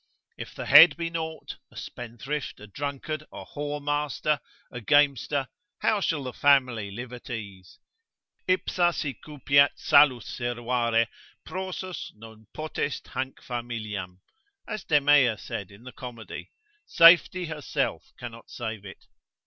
If the head be naught, a spendthrift, a drunkard, a whoremaster, a gamester, how shall the family live at ease? Ipsa si cupiat solus servare, prorsus, non potest hanc familiam, as Demea said in the comedy, Safety herself cannot save it.